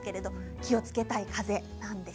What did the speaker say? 気をつけたい風なんです。